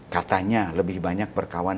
katanya lebih banyak berkawan